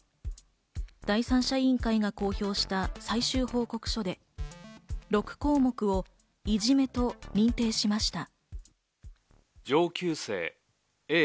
第三者委員会が公表した最終報告書で、６項目をいじめと認定しました。